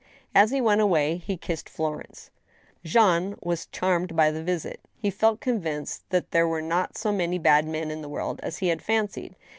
As be went away, he kissed Florence. Jean was charmed by this visit. He felt convinced that there were not so many bad men in the world as he had fancied.